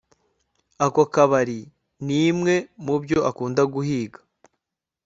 Ako kabari nimwe mubyo akunda guhiga